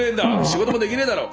仕事もできねえだろ！